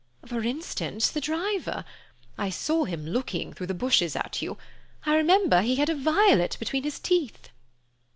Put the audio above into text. "For instance, the driver. I saw him looking through the bushes at you, remember he had a violet between his teeth."